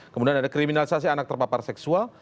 kemudian ada kriminalisasi anak terpapar seksual